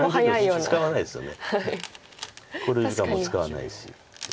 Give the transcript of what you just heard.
考慮時間も使わないし。